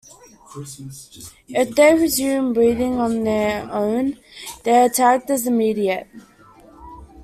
If they resume breathing on their own they are tagged as "immediate".